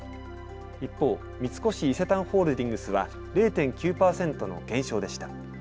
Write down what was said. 一方、三越伊勢丹ホールディングスは０．９％の減少でした。